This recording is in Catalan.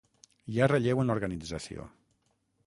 Hi ha relleu en l'organització.